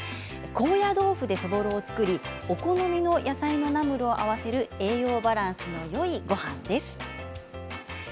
高野豆腐でそぼろを作りお好みの野菜のナムルを合わせる栄養バランスのよいごはんです。